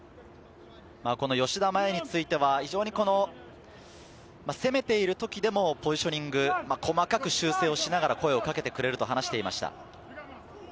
吉田麻也については、攻めている時でもポジショニング、細かく修正をしながら声をかけてくれると話していました。